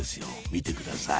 見てください